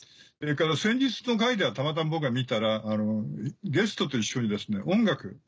それから先日の回ではたまたま僕が見たらゲストと一緒に音楽。